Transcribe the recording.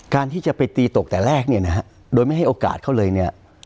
การที่จะไปตีตกแต่แรกเนี่ยนะฮะโดยไม่ให้โอกาสเขาเลยเนี่ย